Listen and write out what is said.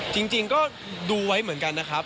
จริงก็ดูไว้เหมือนกันนะครับ